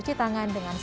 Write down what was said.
terima kasih inter mhlm